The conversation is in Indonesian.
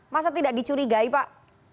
masa tidak dicurigai pak